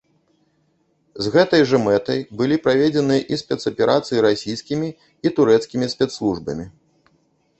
З гэтай жа мэтай былі праведзеныя і спецаперацыі расійскімі і турэцкімі спецслужбамі.